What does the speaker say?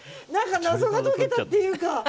謎が解けたっていうか。